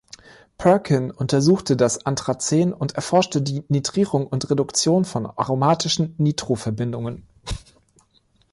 Perkin untersuchte das Anthracen und erforschte die Nitrierung und Reduktion von aromatischen Nitroverbindungen.